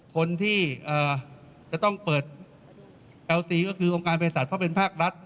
คนที่จะต้องเปิดแอลซีก็คือองค์การเพศัตว์เพราะเป็นภาครัฐ